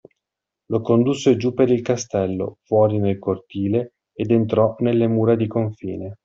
Lo condusse giù per il castello, fuori nel cortile, ed entrò nelle mura di confine.